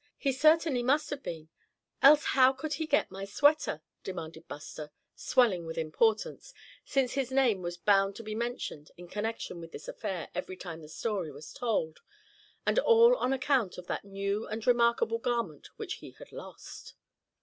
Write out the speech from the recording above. "He certainly must have been, else how could he get my sweater?" demanded Buster, swelling with importance, since his name was bound to be mentioned in connection with this affair every time the story was told, and all on account of that new and remarkable garment which he had lost.